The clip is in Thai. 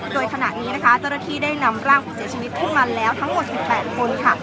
โดยขณะนี้นะคะเจ้าหน้าที่ได้นำร่างผู้เสียชีวิตขึ้นมาแล้วทั้งหมด๑๘คนค่ะ